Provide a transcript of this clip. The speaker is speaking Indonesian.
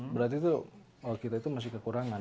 berarti itu masih kekurangan